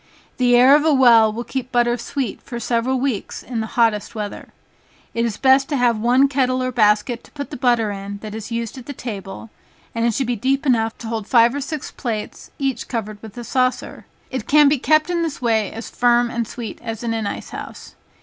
The air of a well will keep butter sweet for several weeks in the hottest weather. It is best to have one kettle or basket to put the butter in that is used at the table, it should be deep enough to hold five or six plates, each covered with a saucer. It can be kept in this way as firm and sweet as in an ice house.